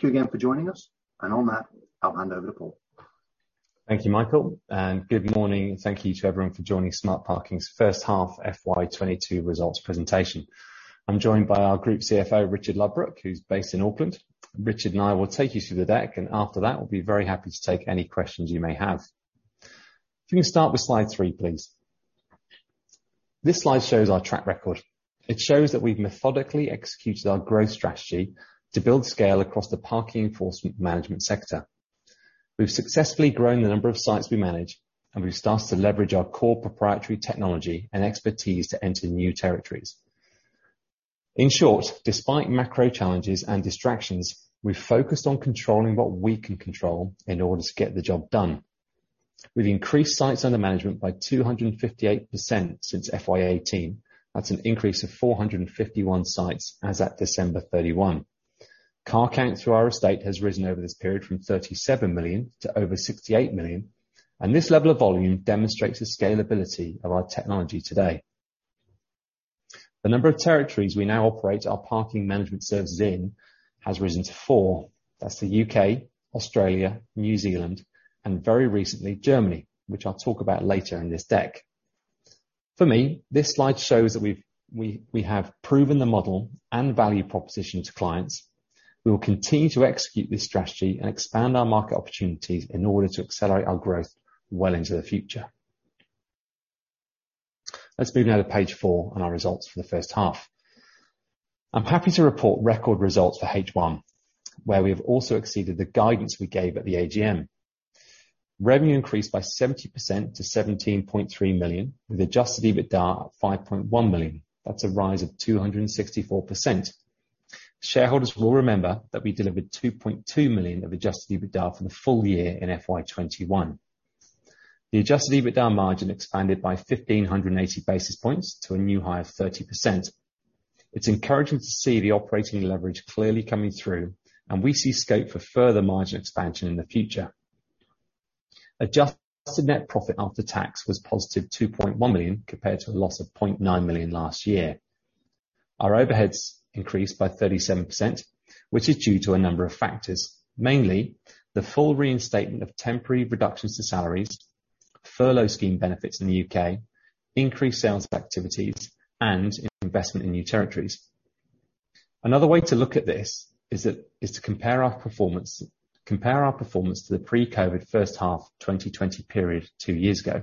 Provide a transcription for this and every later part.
Thank you again for joining us. On that, I'll hand over to Paul. Thank you, Michael, and good morning, and thank you to everyone for joining Smart Parking's First Half FY 2022 Results Presentation. I'm joined by our Group CFO, Richard Ludbrook, who's based in Auckland. Richard and I will take you through the deck, and after that, we'll be very happy to take any questions you may have. If you can start with slide 3, please. This slide shows our track record. It shows that we've methodically executed our growth strategy to build scale across the parking enforcement management sector. We've successfully grown the number of sites we manage, and we've started to leverage our core proprietary technology and expertise to enter new territories. In short, despite macro challenges and distractions, we've focused on controlling what we can control in order to get the job done. We've increased sites under management by 258% since FY 2018. That's an increase of 451 sites as at December 31. Car count through our estate has risen over this period from 37 million to over 68 million, and this level of volume demonstrates the scalability of our technology today. The number of territories we now operate our parking management services in has risen to 4. That's the U.K., Australia, New Zealand, and very recently, Germany, which I'll talk about later in this deck. For me, this slide shows that we have proven the model and value proposition to clients. We will continue to execute this strategy and expand our market opportunities in order to accelerate our growth well into the future. Let's move now to page 4 on our results for the first half. I'm happy to report record results for H1, where we have also exceeded the guidance we gave at the AGM. Revenue increased by 70% to 17.3 million, with adjusted EBITDA of 5.1 million. That's a rise of 264%. Shareholders will remember that we delivered 2.2 million of adjusted EBITDA for the full year in FY 2021. The adjusted EBITDA margin expanded by 1,580 basis points to a new high of 30%. It's encouraging to see the operating leverage clearly coming through, and we see scope for further margin expansion in the future. Adjusted net profit after tax was positive 2.1 million, compared to a loss of 0.9 million last year. Our overheads increased by 37%, which is due to a number of factors, mainly the full reinstatement of temporary reductions to salaries, furlough scheme benefits in the U.K., increased sales activities, and investment in new territories. Another way to look at this is to compare our performance to the pre-COVID first half of 2020 period two years ago.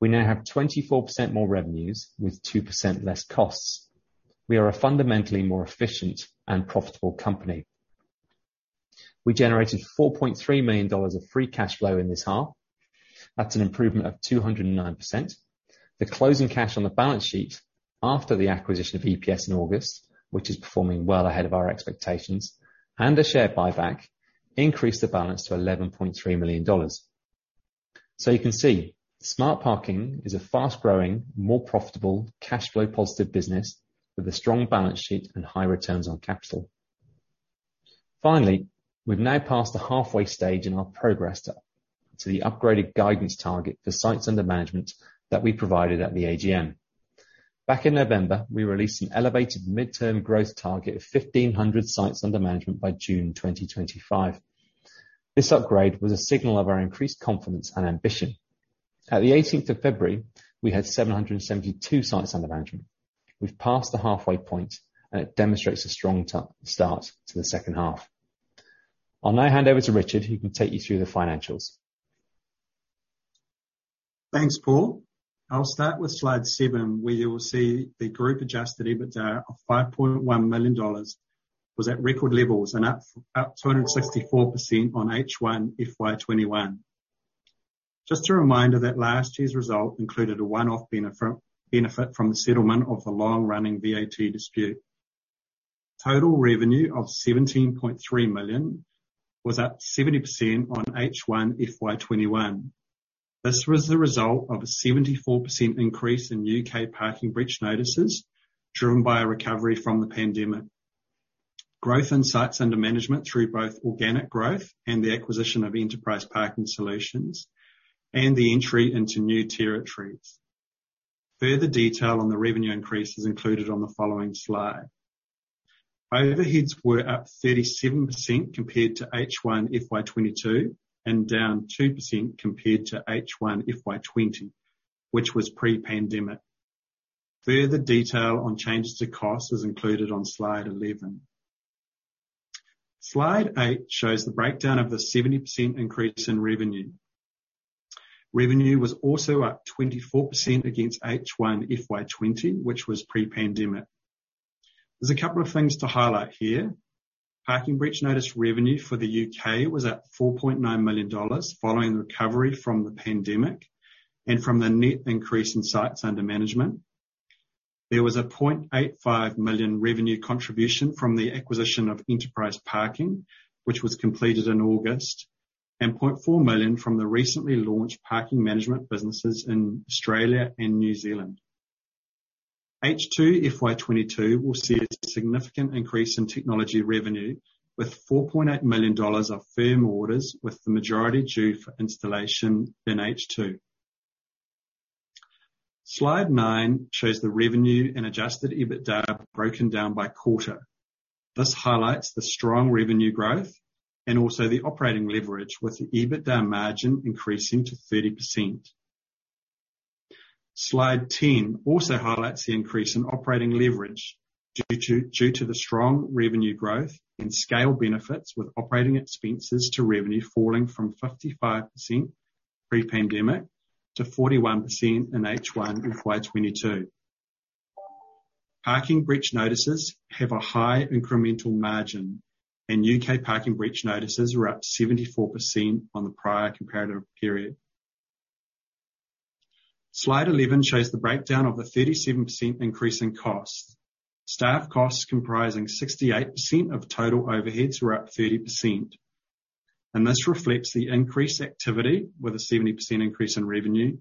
We now have 24% more revenues with 2% less costs. We are a fundamentally more efficient and profitable company. We generated 4.3 million dollars of free cash flow in this half. That's an improvement of 209%. The closing cash on the balance sheet after the acquisition of EPS in August, which is performing well ahead of our expectations, and a share buyback, increased the balance to 11.3 million dollars. You can see, Smart Parking is a fast-growing, more profitable, cash flow positive business with a strong balance sheet and high returns on capital. Finally, we've now passed the halfway stage in our progress to the upgraded guidance target for sites under management that we provided at the AGM. Back in November, we released an elevated midterm growth target of 1,500 sites under management by June 2025. This upgrade was a signal of our increased confidence and ambition. At the 18th of February, we had 772 sites under management. We've passed the halfway point, and it demonstrates a strong start to the second half. I'll now hand over to Richard, who can take you through the financials. Thanks, Paul. I'll start with slide 7, where you will see the group-adjusted EBITDA of 5.1 million dollars was at record levels and up 264% on H1 FY 2021. Just a reminder that last year's result included a one-off benefit from the settlement of the long-running VAT dispute. Total revenue of 17.3 million was up 70% on H1 FY 2021. This was the result of a 74% increase in UK parking breach notices, driven by a recovery from the pandemic, growth in sites under management through both organic growth and the acquisition of Enterprise Parking Solutions and the entry into new territories. Further detail on the revenue increase is included on the following slide. Overheads were up 37% compared to H1 FY 2022 and down 2% compared to H1 FY 2020, which was pre-pandemic. Further detail on changes to cost is included on slide 11. Slide 8 shows the breakdown of the 70% increase in revenue. Revenue was also up 24% against H1 FY 2020, which was pre-pandemic. There's a couple of things to highlight here. Parking breach notice revenue for the U.K. was at $4.9 million following the recovery from the pandemic and from the net increase in sites under management. There was a $0.85 million revenue contribution from the acquisition of Enterprise Parking, which was completed in August, and $0.4 million from the recently launched parking management businesses in Australia and New Zealand. H2 FY 2022 will see a significant increase in technology revenue with $4.8 million of firm orders, with the majority due for installation in H2. Slide 9 shows the revenue and adjusted EBITDA broken down by quarter. This highlights the strong revenue growth and also the operating leverage, with the EBITDA margin increasing to 30%. Slide 10 also highlights the increase in operating leverage due to the strong revenue growth and scale benefits, with operating expenses to revenue falling from 55% pre-pandemic to 41% in H1 in FY 2022. Parking breach notices have a high incremental margin. U.K. parking breach notices were up 74% on the prior comparative period. Slide 11 shows the breakdown of the 37% increase in cost. Staff costs comprising 68% of total overheads were up 30%, and this reflects the increased activity with a 70% increase in revenue,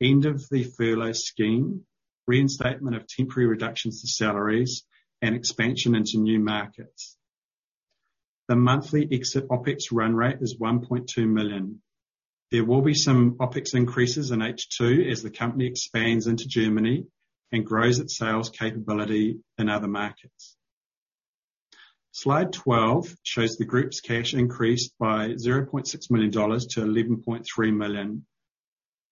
end of the furlough scheme, reinstatement of temporary reductions to salaries, and expansion into new markets. The monthly exit OpEx run rate is 1.2 million. There will be some OpEx increases in H2 as the company expands into Germany and grows its sales capability in other markets. Slide 12 shows the group's cash increased by 0.6 million dollars to 11.3 million.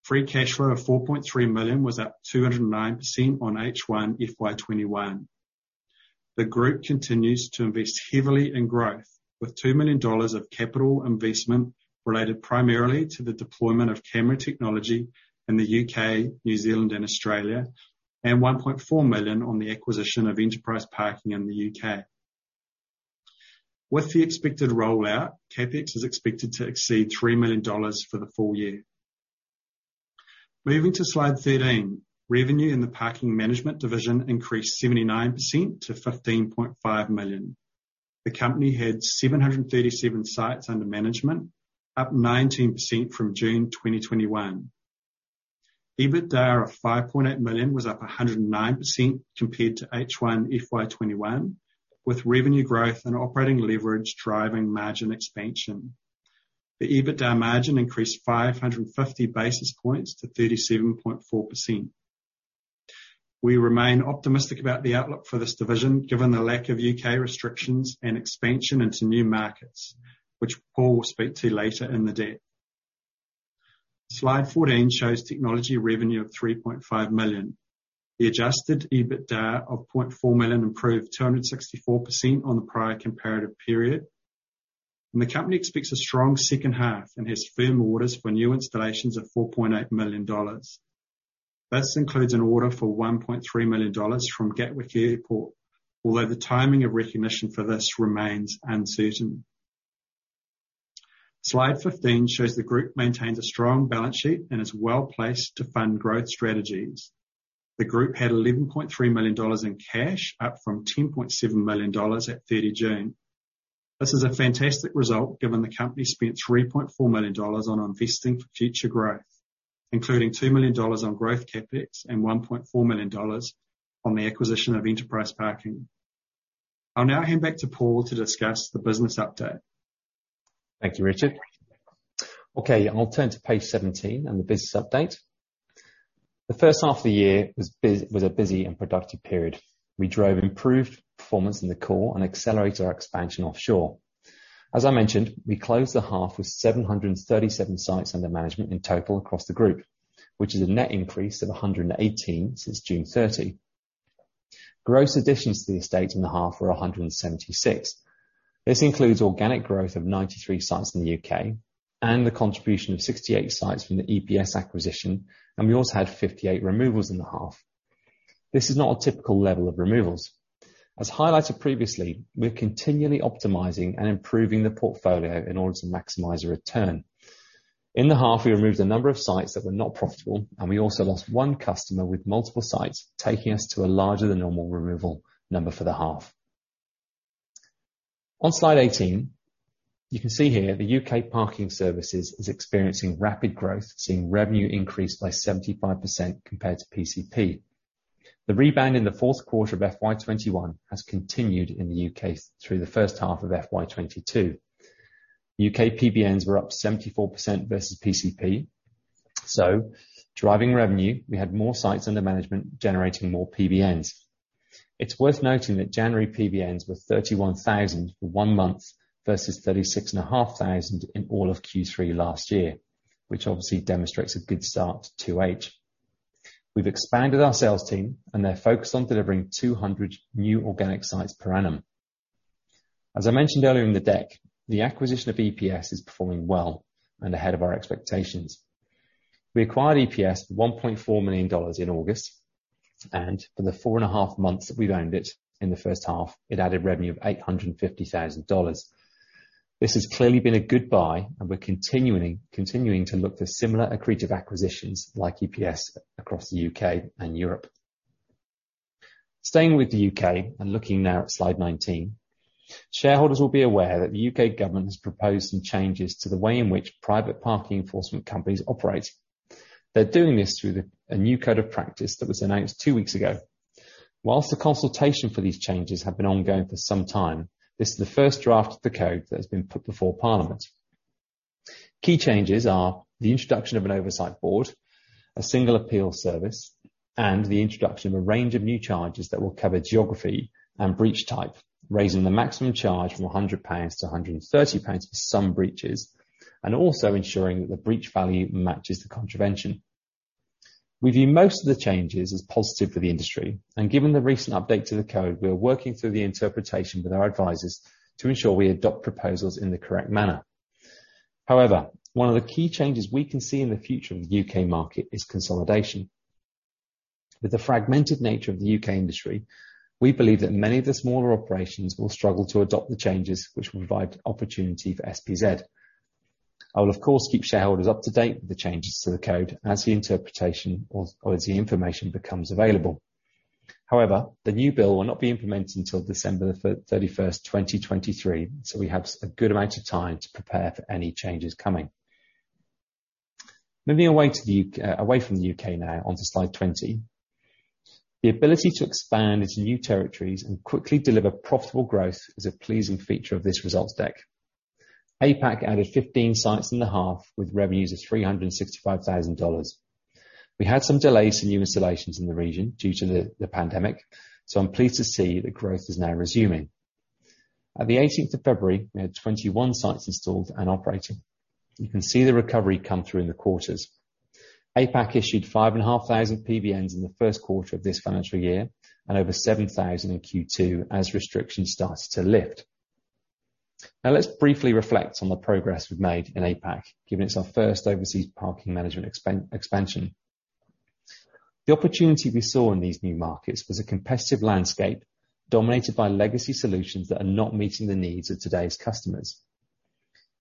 Free cash flow of 4.3 million was up 209% on H1 FY 2021. The group continues to invest heavily in growth, with 2 million dollars of capital investment related primarily to the deployment of camera technology in the U.K., New Zealand, and Australia, and 1.4 million on the acquisition of Enterprise Parking in the U.K. With the expected rollout, CapEx is expected to exceed 3 million dollars for the full year. Moving to slide 13. Revenue in the parking management division increased 79% to 15.5 million. The company had 737 sites under management, up 19% from June 2021. EBITDA of 5.8 million was up 109% compared to H1 FY 2021, with revenue growth and operating leverage driving margin expansion. The EBITDA margin increased 550 basis points to 37.4%. We remain optimistic about the outlook for this division, given the lack of U.K. restrictions and expansion into new markets, which Paul will speak to later in the deck. Slide 14 shows technology revenue of 3.5 million. The adjusted EBITDA of 0.4 million improved 264% on the prior comparative period. The company expects a strong second half and has firm orders for new installations of 4.8 million dollars. This includes an order for 1.3 million dollars from Gatwick Airport, although the timing of recognition for this remains uncertain. Slide 15 shows the group maintains a strong balance sheet and is well-placed to fund growth strategies. The group had 11.3 million dollars in cash, up from 10.7 million dollars at 30 June. This is a fantastic result, given the company spent 3.4 million dollars on investing for future growth, including 2 million dollars on growth CapEx and 1.4 million dollars on the acquisition of Enterprise Parking. I'll now hand back to Paul to discuss the business update. Thank you, Richard. Okay, I'll turn to page 17 and the business update. The first half of the year was a busy and productive period. We drove improved performance in the core and accelerated our expansion offshore. As I mentioned, we closed the half with 737 sites under management in total across the group, which is a net increase of 118 since June 30. Gross additions to the estate in the half were 176. This includes organic growth of 93 sites in the U.K. and the contribution of 68 sites from the EPS acquisition, and we also had 58 removals in the half. This is not a typical level of removals. As highlighted previously, we're continually optimizing and improving the portfolio in order to maximize the return. In the half, we removed a number of sites that were not profitable, and we also lost one customer with multiple sites, taking us to a larger than normal removal number for the half. On slide 18, you can see here the UK Parking Services is experiencing rapid growth, seeing revenue increase by 75% compared to PCP. The rebound in the fourth quarter of FY 2021 has continued in the UK through the first half of FY 2022. UK PBNs were up 74% versus PCP. Driving revenue, we had more sites under management generating more PBNs. It's worth noting that January PBNs were 31,000 for one month versus 36,500 in all of Q3 last year, which obviously demonstrates a good start to 2H. We've expanded our sales team, and they're focused on delivering 200 new organic sites per annum. As I mentioned earlier in the deck, the acquisition of EPS is performing well and ahead of our expectations. We acquired EPS for 1.4 million dollars in August, and for the four and a half months that we've owned it in the first half, it added revenue of 850,000 dollars. This has clearly been a good buy, and we're continuing to look for similar accretive acquisitions like EPS across the U.K. and Europe. Staying with the U.K. and looking now at slide 19. Shareholders will be aware that the U.K. government has proposed some changes to the way in which private parking enforcement companies operate. They're doing this through a new Code of Practice that was announced two weeks ago. While the consultation for these changes has been ongoing for some time, this is the first draft of the code that has been put before Parliament. Key changes are the introduction of an oversight board, a Single Appeals Service, and the introduction of a range of new charges that will cover geography and breach type, raising the maximum charge from 100 pounds to 130 pounds for some breaches, and also ensuring that the breach value matches the contravention. We view most of the changes as positive for the industry, and given the recent update to the code, we are working through the interpretation with our advisors to ensure we adopt proposals in the correct manner. However, one of the key changes we can see in the future in the U.K. market is consolidation. With the fragmented nature of the U.K. industry, we believe that many of the smaller operations will struggle to adopt the changes which will provide opportunity for SPZ. I will, of course, keep shareholders up to date with the changes to the code as the interpretation or as the information becomes available. However, the new bill will not be implemented until December 31, 2023, so we have a good amount of time to prepare for any changes coming. Moving away from the U.K. now, on to slide 20. The ability to expand into new territories and quickly deliver profitable growth is a pleasing feature of this results deck. APAC added 15 sites in the half with revenues of 365,000 dollars. We had some delays in new installations in the region due to the pandemic, so I'm pleased to see that growth is now resuming. On the eighteenth of February, we had 21 sites installed and operating. You can see the recovery come through in the quarters. APAC issued 5,500 PBNs in the first quarter of this financial year and over 7,000 in Q2 as restrictions started to lift. Now let's briefly reflect on the progress we've made in APAC, given it's our first overseas parking management expansion. The opportunity we saw in these new markets was a competitive landscape dominated by legacy solutions that are not meeting the needs of today's customers.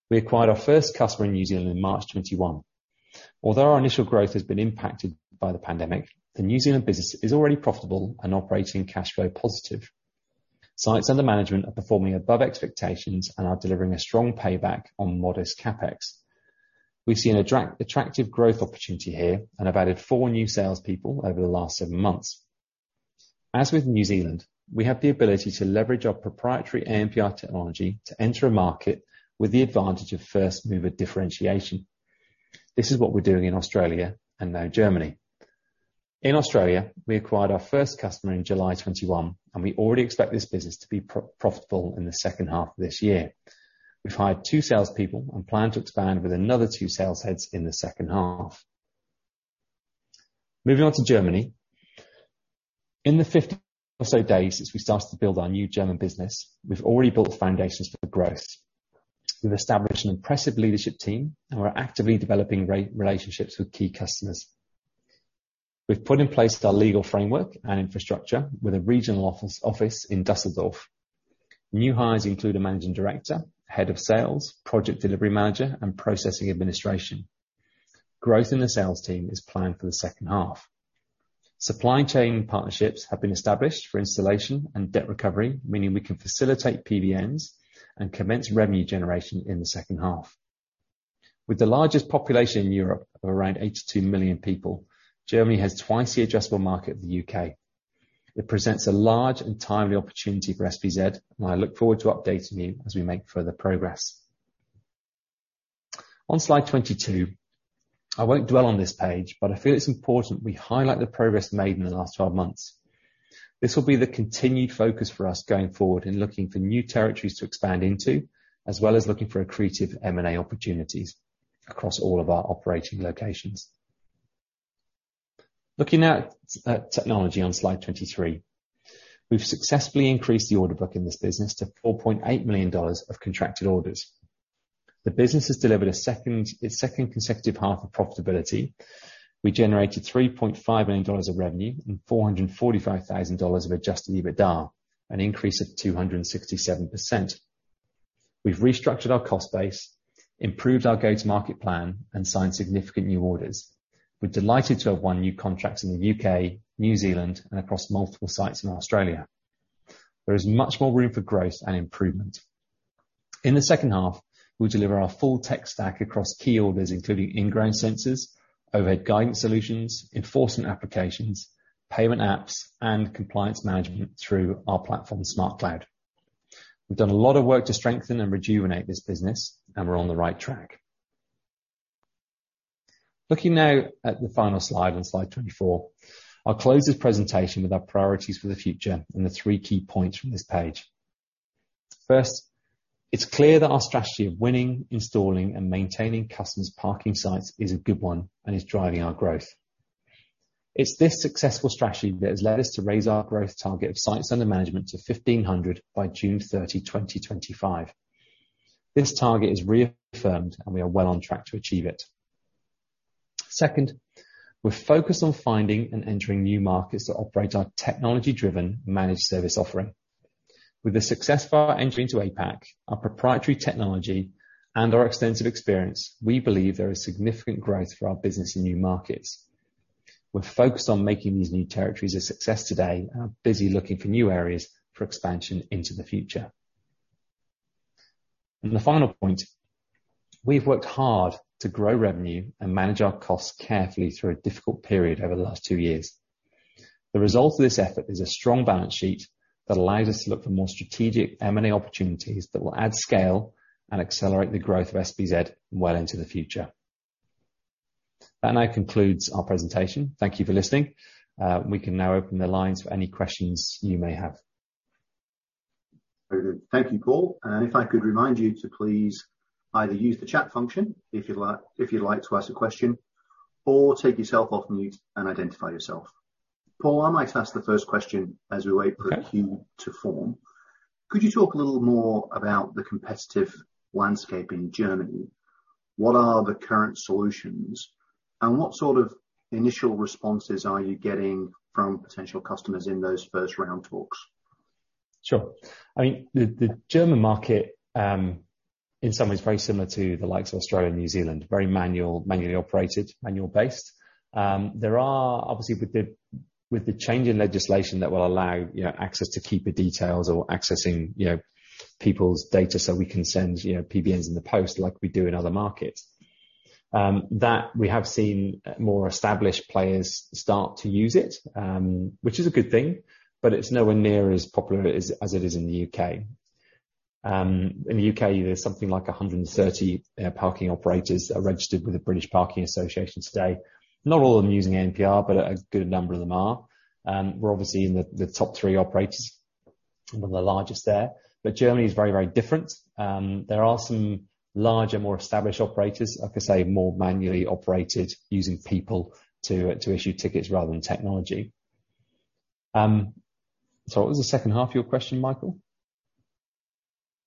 We acquired our first customer in New Zealand in March 2021. Although our initial growth has been impacted by the pandemic, the New Zealand business is already profitable and operating cash flow positive. Sites under management are performing above expectations and are delivering a strong payback on modest CapEx. We've seen attractive growth opportunity here and have added 4 new salespeople over the last 7 months. As with New Zealand, we have the ability to leverage our proprietary ANPR technology to enter a market with the advantage of first-mover differentiation. This is what we're doing in Australia and now Germany. In Australia, we acquired our first customer in July 2021, and we already expect this business to be profitable in the second half of this year. We've hired 2 salespeople and plan to expand with another 2 sales heads in the second half. Moving on to Germany. In the 50 or so days since we started to build our new German business, we've already built the foundations for growth. We've established an impressive leadership team and we're actively developing relationships with key customers. We've put in place our legal framework and infrastructure with a regional office in Düsseldorf. New hires include a managing director, head of sales, Project Delivery Manager, and processing administration. Growth in the sales team is planned for the second half. Supply chain partnerships have been established for installation and debt recovery, meaning we can facilitate PBNs and commence revenue generation in the second half. With the largest population in Europe of around 82 million people, Germany has twice the addressable market of the U.K. It presents a large and timely opportunity for SPZ, and I look forward to updating you as we make further progress. On slide 22, I won't dwell on this page, but I feel it's important we highlight the progress made in the last 12 months. This will be the continued focus for us going forward in looking for new territories to expand into, as well as looking for accretive M&A opportunities across all of our operating locations. Looking now at technology on slide 23. We've successfully increased the order book in this business to 4.8 million dollars of contracted orders. The business has delivered its second consecutive half of profitability. We generated 3.5 million dollars of revenue and 445,000 dollars of adjusted EBITDA, an increase of 267%. We've restructured our cost base, improved our go-to-market plan, and signed significant new orders. We're delighted to have won new contracts in the U.K., New Zealand, and across multiple sites in Australia. There is much more room for growth and improvement. In the second half, we'll deliver our full tech stack across key orders, including in-ground sensors, overhead guidance solutions, enforcement applications, payment apps, and compliance management through our platform, SmartCloud. We've done a lot of work to strengthen and rejuvenate this business, and we're on the right track. Looking now at the final slide, on slide 24. I'll close this presentation with our priorities for the future and the three key points from this page. First, it's clear that our strategy of winning, installing, and maintaining customers' parking sites is a good one and is driving our growth. It's this successful strategy that has led us to raise our growth target of sites under management to 1,500 by June 30, 2025. This target is reaffirmed, and we are well on track to achieve it. Second, we're focused on finding and entering new markets that operate our technology-driven managed service offering. With the success of our entry into APAC, our proprietary technology, and our extensive experience, we believe there is significant growth for our business in new markets. We're focused on making these new territories a success today and are busy looking for new areas for expansion into the future. The final point, we've worked hard to grow revenue and manage our costs carefully through a difficult period over the last two years. The result of this effort is a strong balance sheet that allows us to look for more strategic M&A opportunities that will add scale and accelerate the growth of SPZ well into the future. That now concludes our presentation. Thank you for listening. We can now open the lines for any questions you may have. Very good. Thank you, Paul. If I could remind you to please either use the chat function if you'd like to ask a question or take yourself off mute and identify yourself. Paul, I might ask the first question as we wait for- Okay. Could you talk a little more about the competitive landscape in Germany? What are the current solutions, and what sort of initial responses are you getting from potential customers in those first round talks? Sure. I mean, the German market in some ways very similar to the likes of Australia and New Zealand. Very manual, manually operated, manual based. There are obviously with the change in legislation that will allow, you know, access to keeper details or accessing, you know, people's data, so we can send, you know, PBNs in the post like we do in other markets. That we have seen more established players start to use it, which is a good thing, but it's nowhere near as popular as it is in the U.K. In the U.K., there's something like 130 parking operators are registered with the British Parking Association today. Not all of them using ANPR, but a good number of them are. We're obviously in the top three operators, one of the largest there. Germany is very, very different. There are some larger, more established operators, like I say, more manually operated using people to issue tickets rather than technology. Sorry, what was the second half of your question, Michael?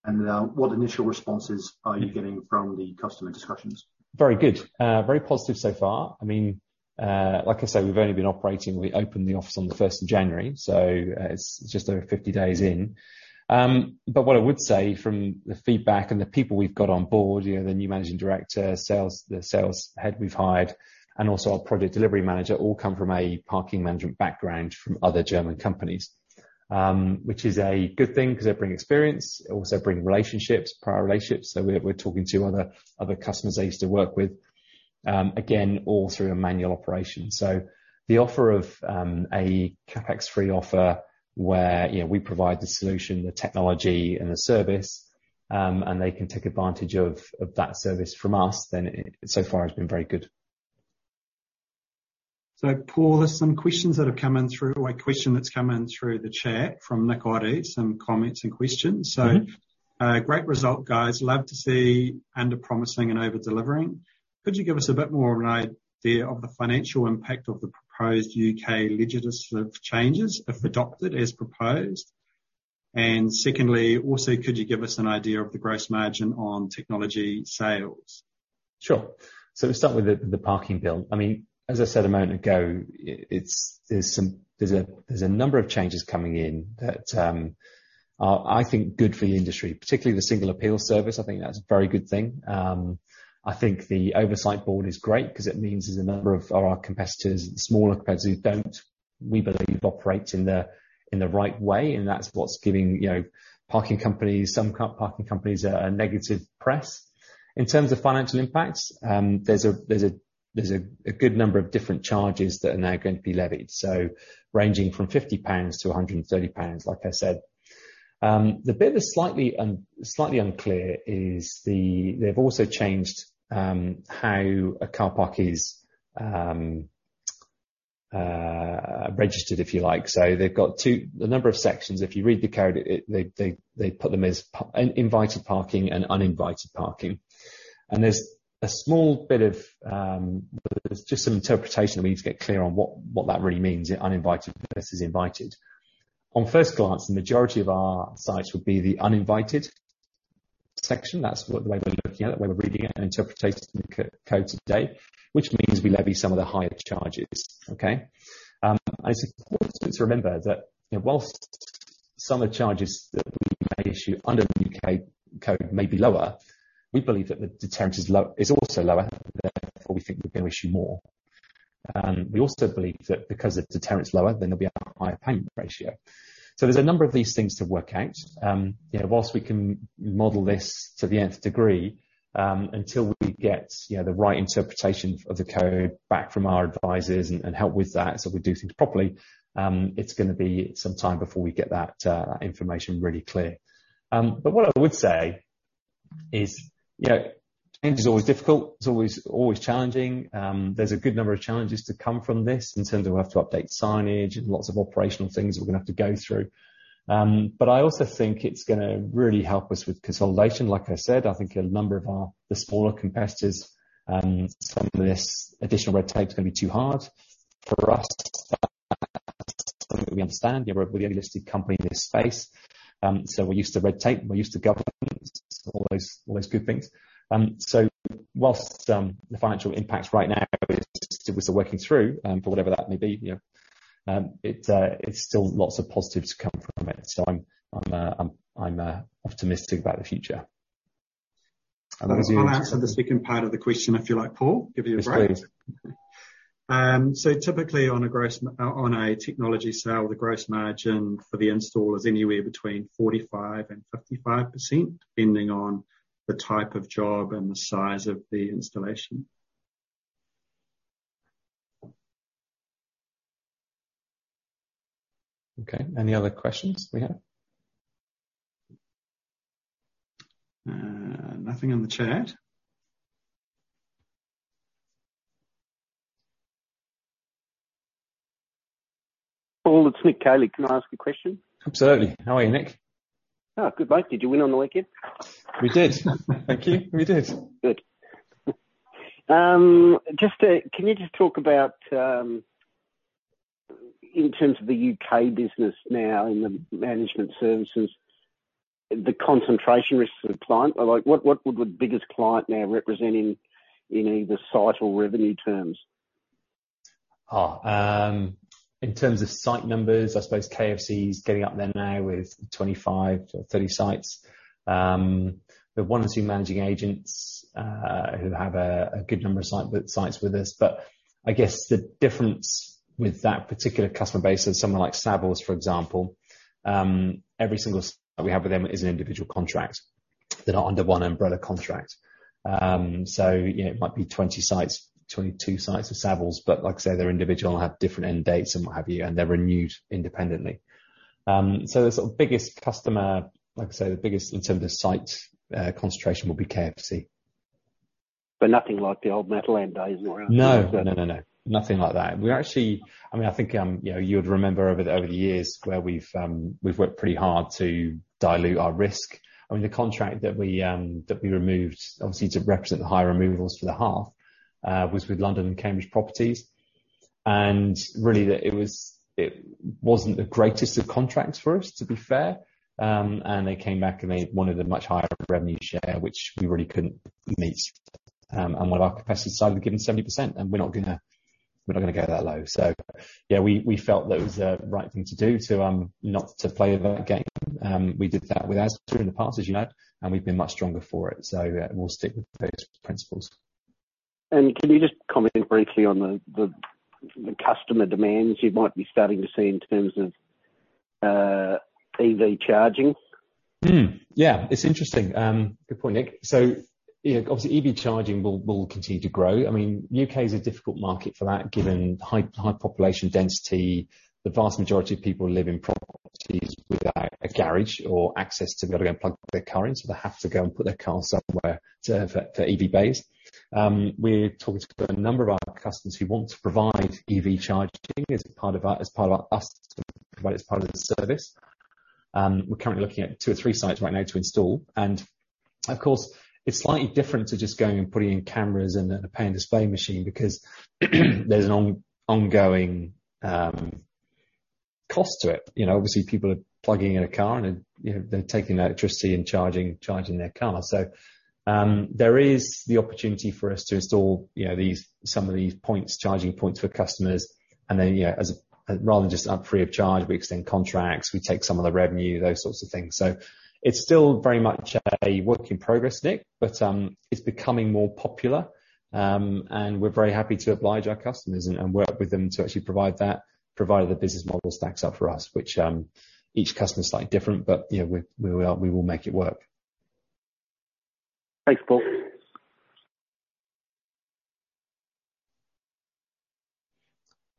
What initial responses are you getting from the customer discussions? Very good. Very positive so far. I mean, like I say, we've only been operating. We opened the office on the first of January, so it's just over 50 days in. But what I would say from the feedback and the people we've got on board, you know, the new managing director, sales, the sales head we've hired, and also our project delivery manager, all come from a parking management background from other German companies, which is a good thing 'cause they bring experience. Also bring relationships, prior relationships. We're talking to other customers they used to work with, again, all through a manual operation. The offer of a CapEx free offer where, you know, we provide the solution, the technology and the service, and they can take advantage of that service from us then so far has been very good. Paul, there's a question that's come in through the chat from Nick Oddie, some comments and questions. Mm-hmm. Great result, guys. Love to see under promising and over delivering. Could you give us a bit more of an idea of the financial impact of the proposed U.K. legislative changes if adopted as proposed? And secondly, also could you give us an idea of the gross margin on technology sales? To start with the parking bill, I mean, as I said a moment ago, it's a number of changes coming in that are, I think, good for the industry, particularly the Single Appeals Service. I think that's a very good thing. I think the oversight board is great 'cause it means there's a number of our competitors, smaller competitors, who don't, we believe, operate in the right way, and that's what's giving, you know, parking companies, some parking companies a negative press. In terms of financial impacts, there's a good number of different charges that are now going to be levied, so ranging from 50-130 pounds, like I said. The bit that's slightly unclear is they've also changed how a car park is registered, if you like. They've got a number of sections. If you read the code, they put them as invited parking and uninvited parking. There's a small bit of interpretation that we need to get clear on what that really means, uninvited versus invited. On first glance, the majority of our sites would be the uninvited section. That's the way we're looking at it, the way we're reading it and interpreting the code to date, which means we levy some of the higher charges. I suppose to remember that, you know, while some of the charges that we may issue under the U.K. code may be lower, we believe that the deterrence is also lower, therefore, we think we're gonna issue more. We also believe that because the deterrence is lower, then there'll be a higher payment ratio. There's a number of these things to work out. You know, while we can model this to the nth degree, until we get, you know, the right interpretation of the code back from our advisors and help with that, so we do things properly, it's gonna be some time before we get that information really clear. What I would say is, you know, change is always difficult. It's always challenging. There's a good number of challenges to come from this in terms of we have to update signage and lots of operational things that we're gonna have to go through. I also think it's gonna really help us with consolidation. Like I said, I think a number of our smaller competitors, some of this additional red tape is gonna be too hard. For us, we understand, you know, we're a publicly listed company in this space, so we're used to red tape, we're used to governance, all those good things. Whilst the financial impact right now is still working through, for whatever that may be, you know, it's still lots of positives to come from it. I'm optimistic about the future. As you- I'll answer the second part of the question, if you like, Paul. Give you a break. Yes, please. Typically on a technology sale, the gross margin for the install is anywhere between 45%-55%, depending on the type of job and the size of the installation. Okay. Any other questions we have? Nothing in the chat. Paul, it's Nick Kelly. Can I ask a question? Absolutely. How are you, Nick? Oh, good. Mate, did you win on the weekend? We did. Thank you. We did. Good. Can you just talk about, in terms of the U.K. business now in the management services, the concentration risks of the client. Like, what would the biggest client now representing in either site or revenue terms? In terms of site numbers, I suppose KFC is getting up there now with 25-30 sites. The one or two managing agents who have a good number of sites with us. I guess the difference with that particular customer base is someone like Savills, for example, every single site that we have with them is an individual contract. They're not under one umbrella contract. You know, it might be 20 sites, 22 sites for Savills, but like I say, they're individual, have different end dates and what have you, and they're renewed independently. The sort of biggest customer, like I say, the biggest in terms of site concentration would be KFC. nothing like the old NE Parking days around No. Nothing like that. We actually. I mean, I think, you know, you would remember over the years where we've worked pretty hard to dilute our risk. I mean, the contract that we removed, obviously to represent the higher removals for the half, was with London & Cambridge Properties. Really it wasn't the greatest of contracts for us to be fair. They came back, and they wanted a much higher revenue share, which we really couldn't meet. One of our competitors decided to give them 70%, and we're not gonna go that low. Yeah, we felt that was the right thing to do to not play that game. We did that with Asda in the past, as you know, and we've been much stronger for it. We'll stick with those principles. Can you just comment briefly on the customer demands you might be starting to see in terms of EV Charging? Yeah, it's interesting. Good point, Nick. You know, obviously EV Charging will continue to grow. I mean, U.K. is a difficult market for that, given high population density. The vast majority of people live in properties without a garage or access to be able to go plug their car in, so they have to go and put their car somewhere for EV bays. We're talking to a number of our customers who want to provide EV Charging as part of the service. We're currently looking at two or three sites right now to install. Of course, it's slightly different to just going and putting in cameras and a pay and display machine because there's an ongoing cost to it. You know, obviously people are plugging in a car and, you know, they're taking that electricity and charging their car. There is the opportunity for us to install, you know, these, some of these points, charging points for customers. Then, you know, rather than just free of charge, we extend contracts, we take some of the revenue, those sorts of things. It's still very much a work in progress, Nick, but it's becoming more popular. We're very happy to oblige our customers and work with them to actually provide that, provided the business model stacks up for us, which each customer is slightly different. You know, we will make it work. Thanks, Paul. Do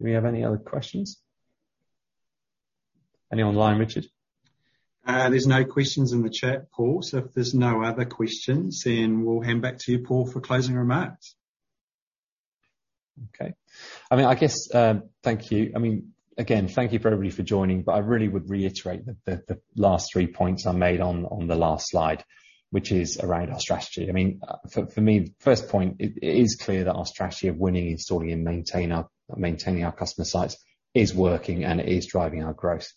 we have any other questions? Any online, Richard? There's no questions in the chat, Paul. If there's no other questions, then we'll hand back to you, Paul, for closing remarks. I mean, thank you. I mean, again, thank you for everybody for joining. I really would reiterate the last three points I made on the last slide, which is around our strategy. I mean, for me, first point, it is clear that our strategy of winning, installing and maintaining our customer sites is working and it is driving our growth.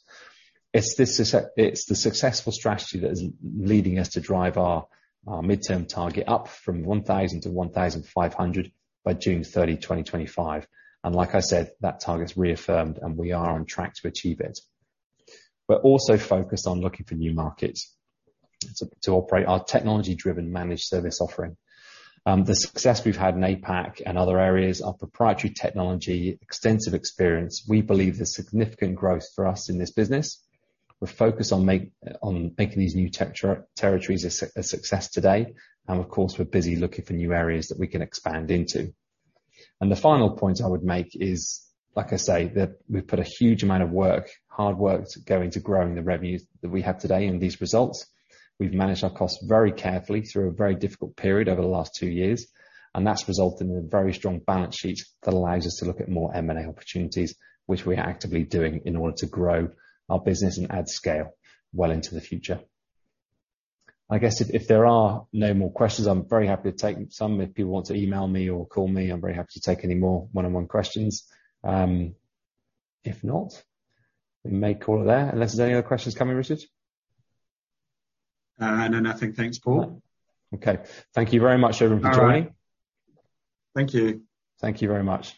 It's the successful strategy that is leading us to drive our midterm target up from 1,000 to 1,500 by June 30, 2025. Like I said, that target's reaffirmed, and we are on track to achieve it. We're also focused on looking for new markets to operate our technology-driven managed service offering. The success we've had in APAC and other areas, our proprietary technology, extensive experience, we believe there's significant growth for us in this business. We're focused on making these new territories a success today. Of course, we're busy looking for new areas that we can expand into. The final point I would make is, like I say, that we've put a huge amount of work, hard work to go into growing the revenues that we have today and these results. We've managed our costs very carefully through a very difficult period over the last two years, and that's resulted in a very strong balance sheet that allows us to look at more M&A opportunities, which we are actively doing in order to grow our business and add scale well into the future. I guess if there are no more questions, I'm very happy to take some. If people want to email me or call me, I'm very happy to take any more one-on-one questions. If not, we may call it there. Unless there's any other questions coming, Richard. No, nothing. Thanks, Paul. Okay. Thank you very much, everyone, for joining. All right. Thank you. Thank you very much.